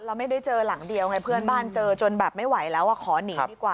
แล้วไม่ได้เจอหลังเดียวไงเพื่อนบ้านเจอจนแบบไม่ไหวแล้วขอหนีดีกว่า